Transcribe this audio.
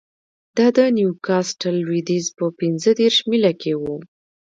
دا د نیوکاسټل لوېدیځ په پنځه دېرش میله کې و